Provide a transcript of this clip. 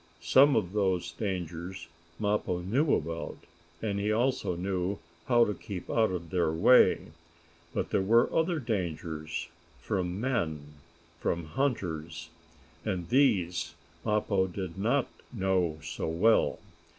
Some of those dangers Mappo knew about, and he also knew how to keep out of their way. But there were other dangers from men from hunters and these Mappo did not know so well.